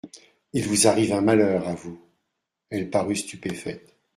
Il vous arrive un malheur, à vous !… Elle parut stupéfaite.